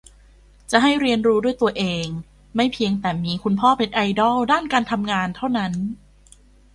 จะให้เรียนรู้ด้วยตัวเอง ไม่เพียงแต่มีคุณพ่อเป็นไอดอลด้านการทำงานเท่านั้น